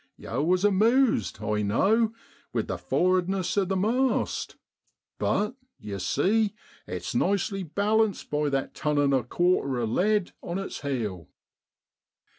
Yow was amused, I know, with the for'ardness of the mast. But, yer see, it's nicely balanced by that ton an' a quarter of lead on its heel.